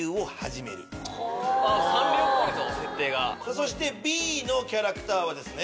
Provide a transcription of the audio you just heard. そしてＢのキャラクターはですね